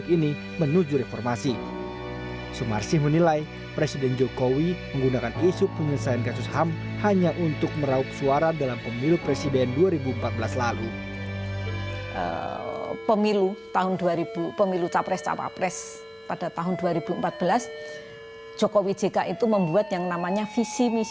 kami akan segera kembali